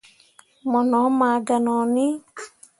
Mo no maa ganoni.